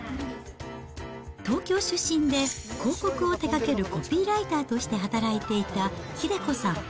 東京出身で広告を手がけるコピーライターとして働いていた英子さん。